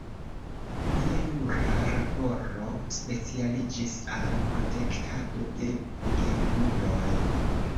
Lia jura laboro specialiĝis al protektado de gejunuloj.